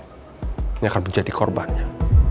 ini akan menjadi korbannya